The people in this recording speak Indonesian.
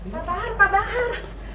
pak bahar pak bahar